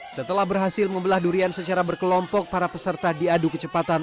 setelah berhasil membelah durian secara berkelompok para peserta diadu kecepatan